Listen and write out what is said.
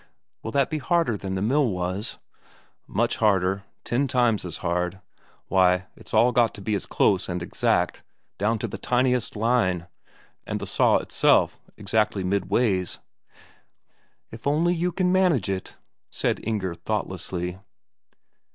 "Will that be harder than the mill was?" "Much harder, ten times as hard. Why, it's all got to be as close and exact down to the tiniest line, and the saw itself exactly midways." "If only you can manage it," said Inger thoughtlessly.